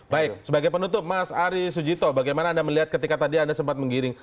baik sebagai penutup mas ari sujito bagaimana anda melihat ketika tadi anda sempat menggiring